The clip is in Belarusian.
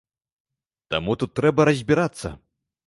Таму тут трэба разбірацца.